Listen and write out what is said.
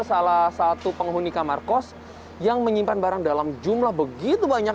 salah satu penghunika markos yang menyimpan barang dalam jumlah begitu banyak